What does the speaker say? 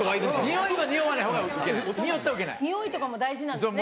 臭いとかも大事なんですね